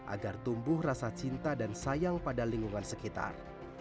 agar tumbuh rasa cinta dan sayang pada lingkungan sekitar